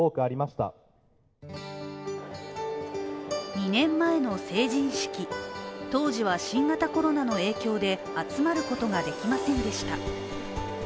２年前の成人式、当時は新型コロナの影響で集まることができませんでした。